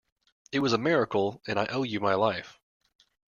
It was a miracle, and I owe you my life.